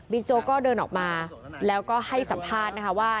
โจ๊กก็เดินออกมาแล้วก็ให้สัมภาษณ์นะคะว่า